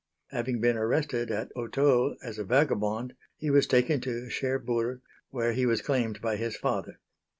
Having been arrested at Hottot as a vagabond, he was taken to Cherburg, where he was claimed by his father.